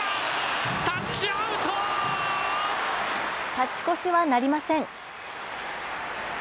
勝ち越しはなりません。